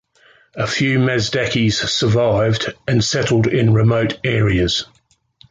A few Mazdakis survived, and settled in remote areas.